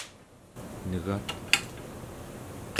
negat